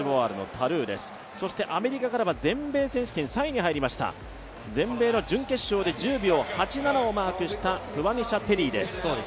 そしてアメリカからは全米選手権３位に入りました、全米の準決勝で１０秒８７をマークしたトワニシャ・テリーです。